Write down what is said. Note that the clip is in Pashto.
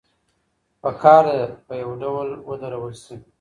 پکار ده په يو ډول ودرول سي.